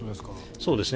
そうですね。